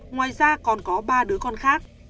ngoài ra còn có ba đứa con khác